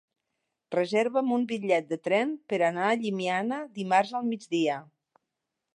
Reserva'm un bitllet de tren per anar a Llimiana dimarts al migdia.